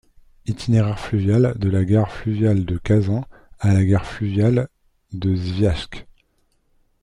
Itinéraire fluvial: de la gare fluviale de Kazan à la gare fluviale de Sviajsk.